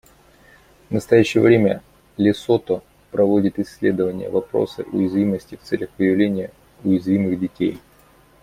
В настоящее время Лесото проводит исследование вопроса уязвимости в целях выявления уязвимых детей.